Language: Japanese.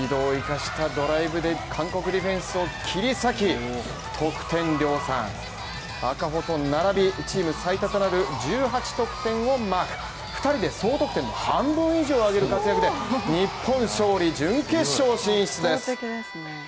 スピードを生かしたドライブで韓国ディフェンスを切り裂き、得点量産チーム最多となる１８得点をマーク、２人で半分以上を挙げる活躍で日本勝利、準決勝進出です。